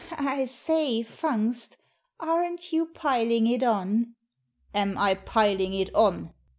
"I say, Fungst, aren't you piling it on ?" "Am I piling it on?